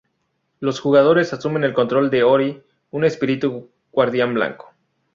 Los jugadores asumen el control de Ori, un espíritu guardián blanco.